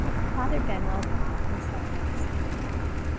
Father Benwell bowed, in silence.